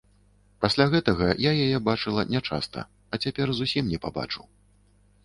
Пасля гэтага я яе бачыла нячаста, а цяпер зусім не пабачу.